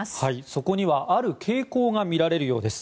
そこにはある傾向が見られるようです。